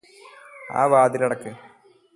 ആ വാതിലടക്ക്